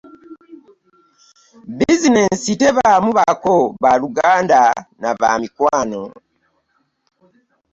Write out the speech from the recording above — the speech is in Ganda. Bizineensi tebaamu bako, baaluganda na bamikwano.